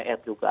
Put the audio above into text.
kepada dpr juga